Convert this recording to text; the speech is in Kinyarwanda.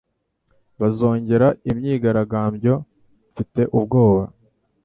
Bazongera imyigaragambyo?" "Mfite ubwoba."